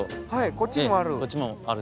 こっちにもある？